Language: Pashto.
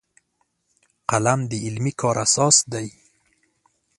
قلم د علمي کار اساس دی